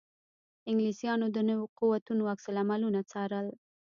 انګلیسیانو د نویو قوتونو عکس العملونه څارل.